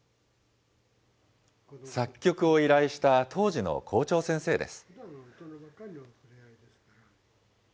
作曲を依頼した当時の校長先生です。